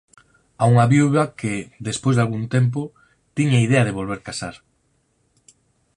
A unha viúva que, despois dalgún tempo, tiña idea de volver casar: